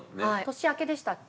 年明けでしたっけ？